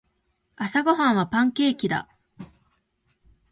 朝ごはんはパンケーキだ。